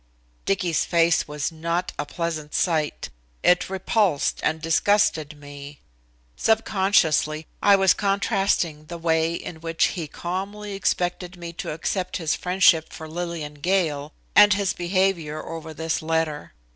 Dicky's face was not a pleasant sight. It repulsed and disgusted me. Subconsciously I was contrasting the way in which he calmly expected me to accept his friendship for Lillian Gale, and his behavior over this letter.